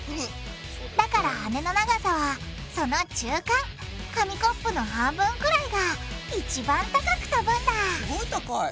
だから羽の長さはその中間紙コップの半分ぐらいが一番高く飛ぶんだすごい高い。